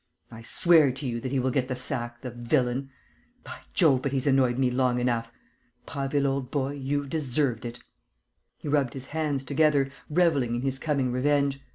I swear to you that he will get the sack, the villain! By Jove, but he's annoyed me long enough! Prasville, old boy, you've deserved it...." He rubbed his hands together, revelling in his coming revenge.